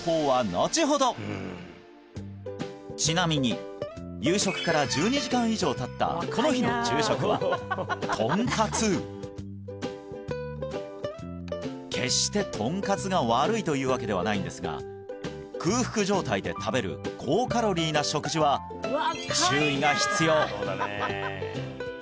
ちなみに夕食から１２時間以上たったこの日の昼食はとんかつ決してとんかつが悪いというわけではないのですが空腹状態で食べる高カロリーな食事は注意が必要